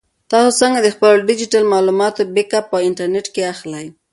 تاسو څنګه د خپلو ډیجیټل معلوماتو بیک اپ په انټرنیټ کې اخلئ؟